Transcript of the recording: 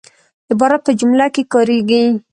عبارت په جمله کښي کاریږي.